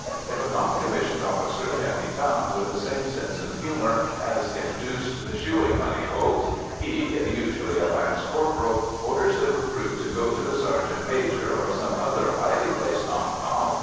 If a non commissioned officer can be found with the same sense of humour as induced the shoeing money hoax, he usually a lance corporal orders the recruit to go to the sergeant major or some other highly placed non com.